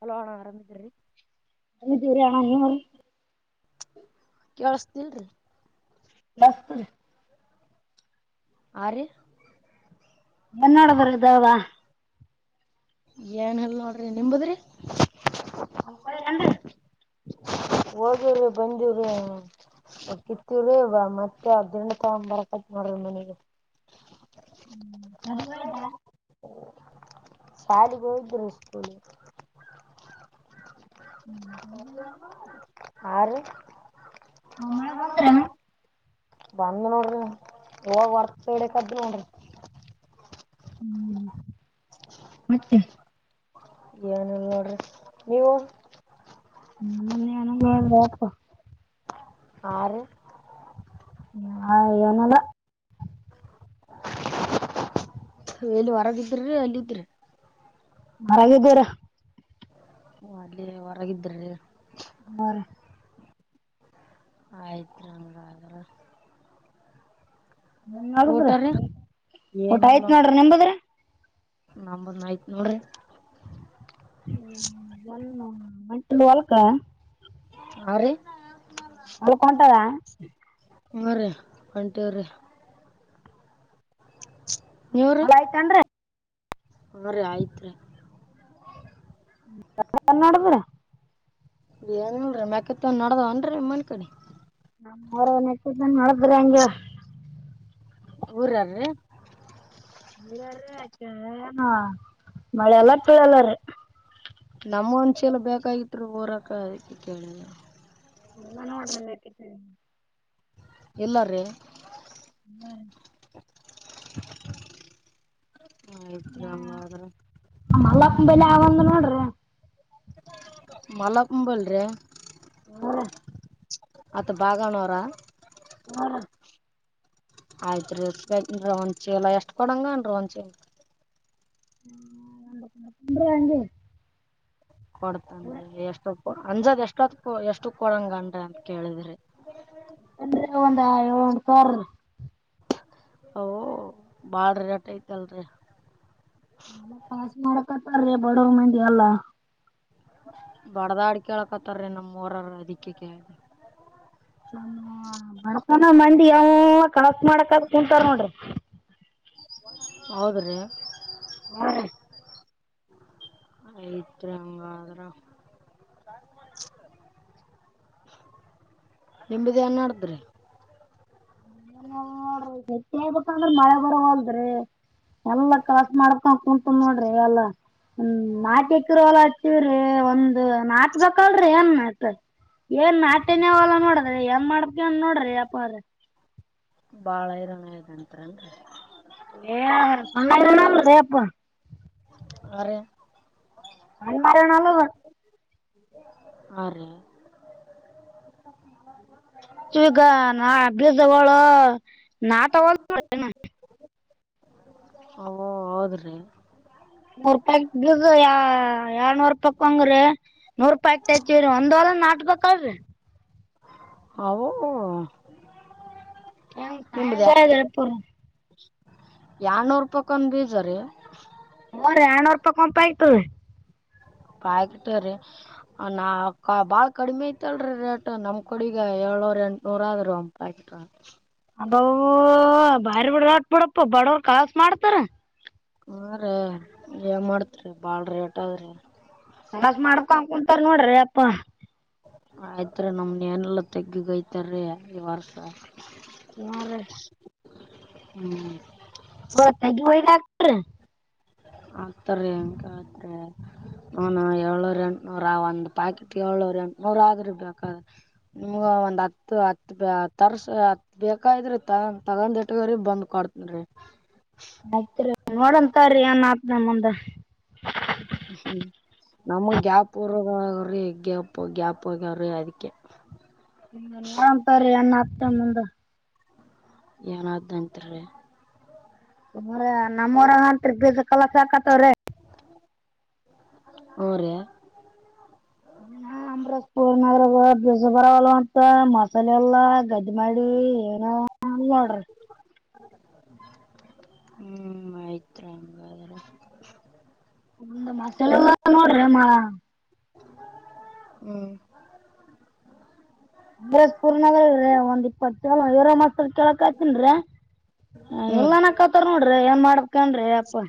Hello ಅಣ್ಣಾ ಅರಾಮ್ ಅದೀರಿ ಮಿದ್ದೀವ್ರಿ, ಅಣ್ಣ ನೀವ ಕೇಳಸ್ತಿಲ್ರಿ ಬಸ್ತರೀ ಹಾ ರೀ [unintelligible] ಏನಿಲ್ ನೋಡ್ರಿ ನಿಂಬದ್ರಿ [unintelligible] ಹೋಗಿವ್ರಿ ಬಂದೀವ್ರಿ ಅಕ್ಕಿ ತಿರುವಿ ಮತ್ತೆ ಗಿರಣಿ ತಗೊಂಡ್ ಬರಾಕತ್ವಿ ನೋಡ್ರಿ ಮನಿಗೆ. ಹ್ಮ ಶಾಲಿಗೆ ಹೋಗಿದ್ಯಾ ಶಾಲೆ ಹೋಗಿದ್ವಿ ರೀ ಸ್ಕೂಲ್ [inaudible] ಹಾ ರೀ ಒಮ್ ಮಳೆ ಬಂದ್ರ ಬಂದ್ ನೋಡ್ರಿ ಹೋಗ ವರ್ತ್ ಸೈಡ್ಕ ನೋಡ್ರಿ ಹ್ಮ್ ಮತ್ತೆ ಏನು ಇಲ್ಲ ನೋಡ್ರಿ ನೀವು ನಮ್ಮನ್ಯಾನು [unintelligible] ಯಪ್ಪ ಹಾ ರೀ ಆ ಏನಿಲ್ಲ ಎಲ್ಲಿ ಹೊರಗಿದ್ದಿರ್ರೀ ಎಲ್ಲಿದ್ರಿ ಹೊರಗಿದ್ದಿವ್ರಿ. ಓ ಅಲ್ಲೆ ಹೊರಗಿದ್ರಿರೀ ಹಾ ರೀ ಆಯ್ತ್ ರೀ ಹಂಗಾರ ನನ್ ಆಗದ್ರ ರೀ ಊಟ ಆಯ್ತ ನೋಡ್ರಿ ನಿಂಬದ್ರಿ ನಮ್ಮುದ್ ಆಯ್ತ್ ನೋಡ್ರಿ ಹ್ಮ್ ಒನ್ ವಂಟೀನ್ ಹೊಲ್ಕ ಆ ರೀ ಹೊಲ್ಕ ಹೊಂಟಾವಾ ಹೂಂ ರೀ ಹೊಂಟಿವ್ರಿ. [inaudible] ಹೊಲ ಅಯ್ತೇನ್ರೀ ಹಾ ರೀ ಅಯ್ತ್ ರೀ. ನ್ಮಡುದ್ರಿ ಏನಿಲ್ರಿ ಮ್ಯಾಕತ್ತನ್ ನಡ್ದಾವೇನ್ರೀ ನಿಮ್ಮನಿ ಕಡೆ ನಮ್ಮೂರು ನೆತ್ತಿದ್ದಂಗ್ ನಡದ್ರಂಗೆ ಊರ್ಯಾರಿ ಊರ್ಯಾರಿ ಕೆ ಏನು ಮಳೆ ಇಲ್ಲ ಪಳೆ ಇಲ್ಲ ರೀ ನಮ್ ಒಂದ್ಚೀಲ ಬೇಕಾಗಿತ್ರೀ ಊರಾಕ ಅದಕೆ ಕೇಳಿದೆ. ನಮ್ವ ನೋಡ್ರಿ ಮೇಕಿತ್ತವಿ ಇಲ್ಲಾರೀ ಮ್ಮ ರೀ [inaudible] ಆಯ್ತು ರೀ ಯಾ ಹಂಗಾದ್ರೆ ಆ ಮಲ್ಲಪ್ಪಂಬಲಿ ಯಾವಂದು ನೋಡ್ರಿ ಮಲ್ಲಪಂಬಲ್ ರೀ ಹಾ ರೀ ಅತ್ತ ಬಾಗಣೋರ ಹು ರ್ ಆಯ್ತ್ ರೀ ಎಷ್ಟ್ಬೇಕೆಂನ್ರೀ ಒಂದ್ ಚೀಲ ಎಷ್ಟ್ ಕೊಡಂಗರೀ ಒಂದ್ ಚೀಲ ಹ್ಮ್ಮ್-----ಡ್ರು ಯಂನ್ರೀ ಕೊಡ್ತನ್ರೀ ಎಷ್ಟೊ ಕೊ ಅಂಜದ್ ಎಷ್ಟತ್ ಎಷ್ಟು ಕೊಡಂಗಂದ ಅಂತ್ ಕೇಳಿದ್ರಿ ಅಂದ್ರ ಒಂದ ಯೋಳಿ--ಟ್ ಇರ್ತವ್ರಿ ಓ ಬಾಳ್ ರಟೈತಲ್ರಿ ನ ಕಾಸ್ ಮಾಡ್ಕತ್ತಾರೀ ಬಡುರ್ಮಂದಿ ಎಲ್ಲ ಬಡ್ದಾಡ್ಳ್ಯಾಕತ್ತಾರೀ ನಮ್ಮರೌರ್ ಅದಕ್ಕೆ ಕೇಳ್ದೆ ಮಣಕನ ಮಂದಿ ಎಲ್ಲ ಕಳ ಮಾಡ್ಕತ್ ಕುಂತಾರ್ ನೋಡ್ರಿ ಹೌದ್ರಿ ಮಾ ರೀ ಆಯ್ತ್ರಿ ಹಂಗಾದ್ರ ನಿಂಬಿದೇನ್ನಡ್ದ್ರಿ ನೋಡ್ರಿ ಗೆಟ್ಟಿ ಆಗ್ಬೇಕಂದ್ರ ಮಳೆ ಬರೋವಲ್ಡ್ರಿ ಎಲ್ಲಾ ಕಾಸ್ಮಾಡ್ಕ ಕುಂತ ನೋಡ್ರಿ ಎಲ್ಲಾ ಹ್ಮ್ ನಾಲ್ಕೆಕರೆ ವಲ ವ್ರೀ ಒಂದು ನಾಟ್ಬೇಕಲ್ರೀ ಏನ್ ನಟ್ ಏನ್ ನಾಟಿನೇವಲ್ಲ ನೋಡ ಅದ ಎಂಗ್ ಮಾಡ್ಬೇಕ್ಯಾಂದ್ನೋಡ್ರಿ ಯಾಪಾರ ಬಾಳ ಇರಂಗೈತ್ ಅಂತ್ರೆನ್ರಿ [unintelligible] ಆ್ರ [unintelligible] ನನ್ ಮರನಲ್ಲ [inaudible] ಆ [unintelligible] ಗ ನಾ ಅಭ್ಯಾಸಗಳ ನಾ ತಗ [unintelligible] ಅ ಹೌದ್ರಿ ನೂರ್ ರೂಪಾಯ ಬ್ದು ಎರ್ನೂರ್ ರೂಪಾಯಕ್ಂಗ್ರಿ ನೂರ್ ರೂಪಾಯಿ ಆಗ್ತಾತಿೀವ ರೀ ಒಂದ್ ಅಲ ನಾಟ್ಬೇಕಾವ್ರೀ ಹವು ಹ ಸಾಯಂಕಾಲ ಎಳಪರ ಎಡ್ನೂರು ರೂಪಾಯ್ಕಂಡ ಬೀಜರಿೀ ಹೋರಿ ಆರ್ನೂರು ರೂಪಾಯಿ ಕೊಂಪ ಆಯ್ತದೀ ಬ ಆಕಟ್ಟ್ರೀ ನಾ ಬಾಳ್ ಕಡಿಮೆ ಐತಲ್ರಿೀ ರೇಟ್ ನಮ್ ಕಡಗ ಅವರು ಎ ನೂರ್್ಯಾಕೆಟ್ ಅಬ ಬಾರಿ ಬಿಡ್ರಟ್ ಬಿಡಪ್ಪ ಬಡವರ್ ಕಳ್ಸ ಮಾಡ್ತಾರ ಹ ರೇ ಏನ್ ಮಾಡ್ತ್ರಿ ಬಾಳ್ ರೇಟ್ದ್ರಿ ಕಲಸ ಮಾಡ್ಕೊ ಕುಂತಾರ ನೋಡ್ರಿ ಅಪ್ಪ ಆಯ್ತ್ರಿ ನಮ್ನೇನೆಲ್ಲ ತೆಗ್ಗಿಗಯ್ತಾರೀ ಈ ವರ್ಷ ಹ ರ [unintelligible] ಹ್ಮ್ ಮ ತಗಿ ಹಯಾಕ್ತ್ರ ಅತಾರೆಕಾದರೆ ಹನು ಏಳ್ರು ಹಣ್ಣ ನೂರ ಒಂದ್ ಪಾಕೆಟ್ ಏಳ್ರು ಹಣ್ ನೂರ್ ಆದ್ರ ಬೇಕಾದ ನಿಮ್ಗ ಒ್ ಹತ್ತು ಹತ್ ತರ್ಸ ಹತ್ ಬೇಕ್ರಿ ತಗೊಂಡ್ ಇಟ್ಟಗ್ರ ಬಂದ್ ಕೊಡ್ತನ್ ಕಾರೆಯ ನಾಥ ನ ಮುದ ಹ್ಮ್ ನಮಗ್ ಗ್ಯಾಪ್ ರಗಾವ್ರಿ ಗ್ಯಾಪ್ ಗ್ಯಾಪ್ ಆಗ್ಯಾವ್ರಿ ಅದಕ್ಕೆ ಹ ನರಪರಿ ಅನ್ನ ಹತ್ತ ಮುಂದ ಎನಾದ ನಂತರ ನಮ್ಮ್ವರಂತ್ರಿ ಗ ಕಲ ಸಾಕತ್ತವ್ರೀ ಒರೆ ನ್ರಪೂರ್ ನಗರ ಬಜಬರಲ್ಲ ಅಂತ ಮಸಾಲೆ ಎಲ್ಲ ಗ ಇದು ಮಾಡಿ ಏನ ನೋಡ್ರಿ ಹ್ಮ್ ಮಯತ್ರಂಗಾದರ ಒಂದು ಮಸಾಲೆ ನೋಡ್ರಮ್ಮ ಹ್ಮ್ ಅಂಬರಾಜಪುರ್ ನಗರ ಒಂದು ಇಪ್ಪತ್ತು ಏರೋ ಮಾ ಕೇಳಕ್ ಆತನ್ರರಿ ಹ್ಞೂ ರೀ ಇಲ್ಲನ ಕತಾರ ನೋಡ್ರಿ ಏನ್ ಮಾಡ ಕೊಂಡ ರಪ್ಪಾ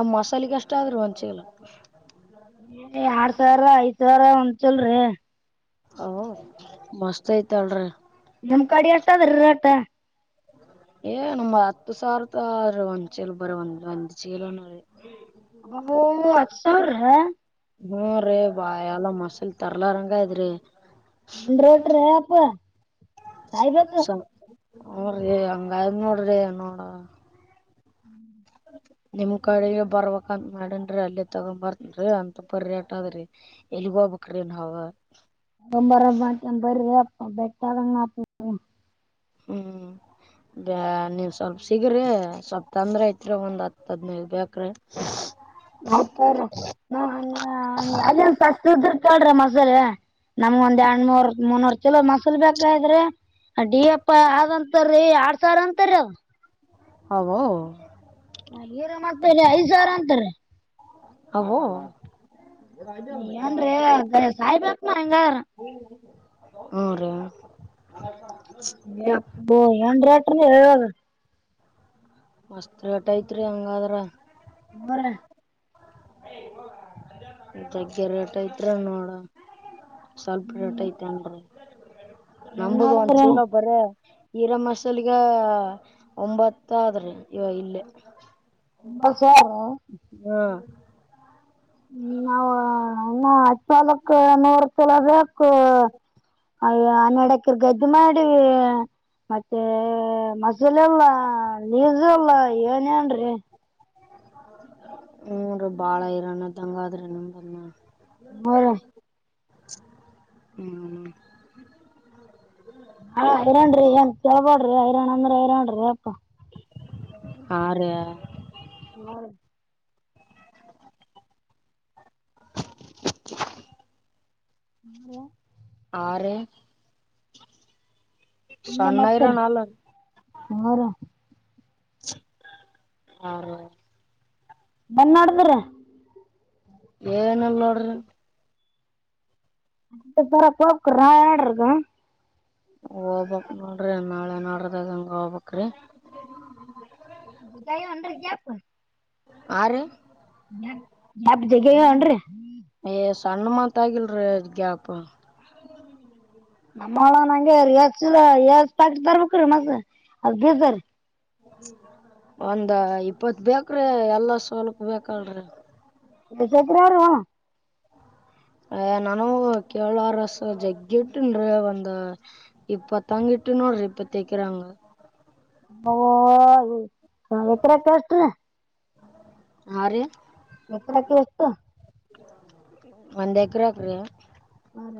ಆ ಮಸಾಲೆಗಷ್ಟ ಆದ್ರರು ಒಂಚಲ್ಲ ಆಡ್ ಸಾವಿರ ಐದ್ ಸಾವಿರ ಒಂದು ಚಲ್ರಿಿ ಮಸ್ತ್ ಐತಲ್ರಿಿ ನಮ್ ಕಡಿ ಅತದ ಅತ ಏ ನಮ ಹತ್ತು ಸಾವಿರದೀ ಒಂದ್ ಚೀಲ ಬರ ಒಂದ್ ಒಂದ್ ಚೀಲನೀ ಅ ಅಸುರ್ ಹ ಹ್ಮ ರರಿ ಬಾ ಎಲ್ಲ ಮಸಲ್ ತರ್ಲಾರಂಗ ದ್ರರಿ ಒ ರೋಟ ರ ಆ ಸ ಹರಿ ಹಂಗ ಆದ ನೋಡ್ರಿ ನೋಡ ಹ್ಮ್ ನಿಮ ಕಡೆಿಗೆ ಬರ್ಬೇಕಂತ ಮಾಡೇನ್ಿ ಅಲ್ಲಿ ತಗೊ್ ಬರ್ತನ್ೀ ಅಂತ ಪರಿ್ಯಾಟ ಅದ್ರಿ ಲಬಬ್ ಕ್ರ ಹವ ಂಬರ ಮಾತ ಬ್ರ ಬೆಟ್ಟ ಹ್ಮ್ ಬ ನೀನ್ ಸ್ವಲ್ಪ ಸಿಗ್ರಿ ಸ್ವಲ್ಪ ತೊಂದ್ರ ಐತ್ರಿ ಒಂದ್ ಹತ್ ಹದನೈದ ಬೇಕ್ರಿ ಆಯ್ ಳ್ರಿ ಮಸಾಲ ನಮ್ಗ ಒಂದ್ ಎರಡ್ನೂರ್ ಮುನ್ನೂರ್ ಕಲೋ ಮಸಾಲ ಬೇಕ್ರಿ ಡಿ ಎಪ್ಪ ಆದಂತಾರೀ ಆಡ್ ಸಾವಿರ ಅಂತರಿ ಅದ ಹದು ನ ಏರ ಮಾಡ್ತೇರಿ ಐದ್ ಸಾವಿರ ಅಂತಾರೆ ಹೋ ಏನ್ರೀ ಸಾಯಿಬಪನ ಹಂಗಾರ ಮುರೆ ಎ ರಟಾಗ ವಸ್ತ್ರ ಟ ಐತ್ರಿ ಹಂಗಾದ್ರ ಬರ ತಗ್ಗೆ ರೇಟ ಇದತ್ರ್ರ ನೋಡ ಸ್ವಲ್ಪ ರೋಟ ಏನ್ ಐತೆೇನ್ರಿ ನಂಬುದು ಒಂದ್ ಮಾಡಿದ್ರಿ ಚೀಲ ಬ್ರ ಈರ ಮಸಾಲಗ ಒಂಬತ್ತ ಆದ್ರಿ ಇವ ಇಲ್ಲೇ ಂಬ ಸಾರ ಹಾ ಹ್ಮ ನಾವ ಹತ್ತು ಪಾಲಕ್ ನೋಡ್ತಿಲ್ಲ ಅದ್ರ ಅ ಹನ್ನಡಕರ್ ಗದ್ದೆ ಮಾಡಿ ಮತ್ತೆ ಮಸಾಲ ಎಲ್ಲ ಲೀಜು ಎಲ್ಲಾ ಏನೇನ್್ರರಿ ಹ್ಮ್ರ ಬಾಳ ಇರೋಾನ ತಂಗಾದ್ರೆ ನಂಬ ನೋರ ಬಾಳ ಹ್ಮ್ ಹ ಹಐರಾಣ್ರಿ ಏನ್ ಕೆೇಳ್ಬೋಳ್ರಿ ಹಐರಾಣ್ ಅಂದ್ರ ಹಐರನ್್ರಿ ಅಪ್ಪಾ ಆರೆ ಹ್ಮ [inaudible] ಹಲ್ಲ ಆರೆ ನಿಮ್ದ ಸಣ್ಣಾಯರ ಮತ್ತರಿ ನಲ್ಲ ನೋರ ಹರಿ ಬಂದ ನೋಡ್ದ್ರ ಏನಲ್ ನೋಡ್ರಿ ಅ ತರ ಕೊಳಕಾ ಆಡ್ರಗ ಹೋಗ್ಬಕ್ ನೋಡ್ರಿ ನಾಳೆ ನೋಡ್ರದಾಗ ಹಂಗ ಹೋಗಬೇಕರಿ [unintelligible] ಗ್ಯಾಪ್ ಆರು ಯಬ್ ಜಗ ಒಂರಿ ಏ ಸಣ್ಣ ಮಾ ತಾಗಿಲ್ರ ಗ್ಯಾಪ್ ನಮ್ಮಳ ನಂಗ ಎಕ್ಚುಲಿ ಪಾಕ ತರ್ಬೇಕ್ರೀ ಮ ಅದ ಬರಿ ಒಂದ ಇಪ್ಪತ್ ಬೇಕ್ರಿ ಎಲ್ಲ ಸವಲಕ್ ಬೇಕಲ್ರಿ [unintelligible] ಅವ ಅ ನಾನೂ ಕೇಳರ್ಸ್ ಜಗ್ಗಿಟ್ಟನ್ ಒಂದ ಇಪ್ಪತ್ತಂಗಿಟ್ ಬಿಟ್ಟ ನೋಡ್ರಿ ಇಪ್ಪ ತೇಕರಾಂಗ ಒ ಎತ್ರ ಕಷ್ಟ ರಿ ಹರೆ ಎತ್ತರಕ್ಕೆ ಎಸ್ತ ಒಂದಂದೇಕರಾಗ್ರೇ ಹ್ಮ್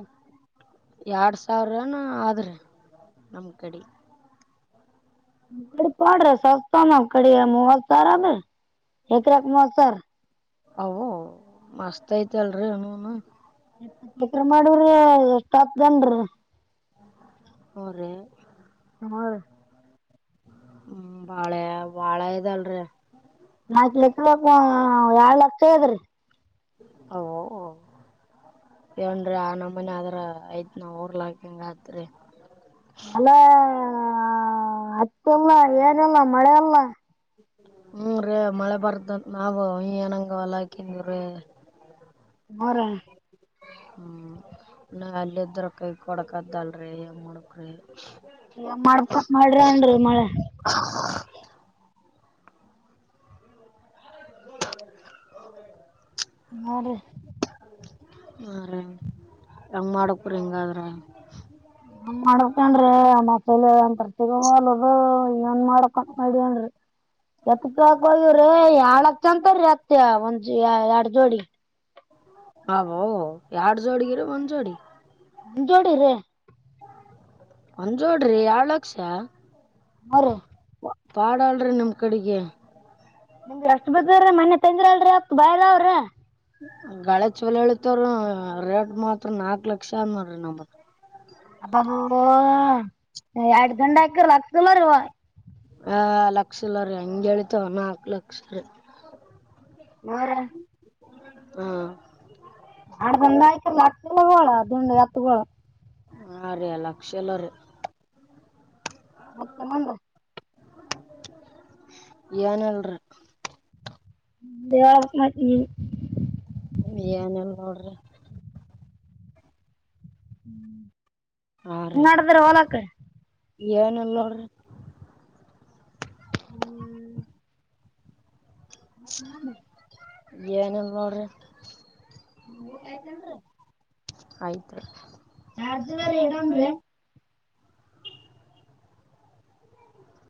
ಎರಡ್ ಸಾವಿರನ ಆದ್ರಿ ನಮ್ ಕಡೆ ಮೂಡಿ ಪಡ ರ ಸಸ್ತ ಮ ಕಡಿಯ ಮ ಹಲ್ ಸರಬ ಎದುರಾಗ ಮಾಡ್ಸರ್ ಅವು ಮಸ್ತ್ ಐತಿ ಅಲ್ರಿ ಹೂನು ಎಪ್ಪತ್ತು ಎಕ್ರ ಮಾಡವ್ರೀ ಎಷ್ಟಪ್ ಜನ್ ಅವರೆ ಆರು ಹ್ಮ ಬಾಳೆ ಬಾಳ ಇದಲ್ರಿ ನಾಕು ಎಕರೆಗೆ ಏಳ್ ಲಕ್ಷ ದ್ರೀ ಓ ಏನ್ ರಿ ಆ ನಮ್ಮನ ಆದ್ರ ಐತ್ ನಾವ ಊರ್ಲಾಕ್ ಹಂಗ ಆತ್ರಿ ಆಲ್ಲ ಅತ್ತಲ್ಲ ಏನಲ್ಲ ಮಳೆ ಅಲ್ಲ ಹ್ಮ ರೀ ಮಳೆ ಬರ್ದ ನಾವವು ಏನಂಗ ಹೊಲ್ಲ ಹಾಕಿದವ್ರೀ ಅವ್ರ ಹ್ಮ್ ನ ಅಲ್ಲ ಇದ್ರ ಕೈ ಕೊಡಕದಲ್ರರಿ ಹೆ ಮಾಡಡಕ್ರಿ ಮಾಡ್ಕ ಮಾಡ್ರಿ ಅನರಿ ಮಳೆ [unintelligible] ಹ ರೀ ಹೆಂಗ್ ಮಾಡಕ್ ರಿ ಹೆಂಗಾದ್ರ ನಾನ್ ಮಾಡಕೊಂಡ್ರಿ ಆ ಮತ್ತಲಿ ಒಂದ್ ಪ್ರತಿ ಅದು ಇ ಮಾಡಕ ಮಾಡವನ ರಿ ಎತ್ ಕಕ ಹೋಗವ್ರಿ ಏಳ್ ಲಕ್ಷ ಅಂತೀ ಎತ್ ಒಂದ್ ಎರಡು ಜೋಡಿ ಅಹೊ ಎರಡ್ ಜೋಡಿಗಿರ ಒಂದ್ ಜೋಡಿ ಮುಂಜೋಡಿರೆ ಒಂಜೋಡ್ರಿ ಏಳ್ ಲಕ್ಷ ಅವರು ಪಾಡಾಳ್ರಿ ನಿಮ್ ಕಡೆಗೆ ನಿಮ್ಗೆ ಅಷ್ಟ್ ಬದ್ರೀ ಮನೆ ತಂದ್ರ ಅಲ್ರಿ ಅಪ್ಪ ಬಾಯದಾವ್ರೀ ಗಾಳೆ ಚೋಲ ಹೇಳತವ್ರೀ ರೇಟ್ ಮಾತ್ರ ನಾಕ್ ಲಕ್ಷ ಅನ್ನ್ರೀ ನಮತ್ ಅ ಎಡ್ ಗಂಟ ಹಾಕಿರ ಅಕ್ಲ್ಲರಿವ ಆ ಲಕ್ಷಲ್ಲ ರೀ ಹಂಗಗೆತಾವ ನಾಕು ಲಕ್ಷ ರೀ ಹರ ಹಾ ಅ ಬ ಆಯ್ತಲ್ಲ ಆಗ್ತಿಲ್ಲೋಳ ದುಂಡ ಎತ್ತಗೋಳ ಳ ಹಾ ರೀ ಲಕ್ಷ ಎಲ್ಲ ರೀ ಮತ್ತ ನಂದ [unintelligible] [unintelligible] ಏನ್ ಇಲ್ ನೋಡ್ರಿ ನಾನ್ನಡದರ ಓಲಾಕ್ ಏನಲ್ಲೋಡ್ರಿ ಹ್ಮ್ ಏನಿಲ್ಲ ನೋಡ್ರಿ ಮೂ ಐ್ತಂದ್ರ ಆಯ್ತ್ ರರಿ ಚಾರ್ಜ್ಲರ್ ಇಲ್ಲರಿ ಇಡಮ್ರಿ ಹೇಳಡನ್